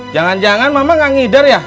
jangan jangan mama nggak ngider ya